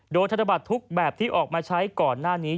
โดยธนบัตรทุกแบบที่ออกมาใช้ก่อนหน้านี้